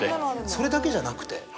それだけじゃなくて。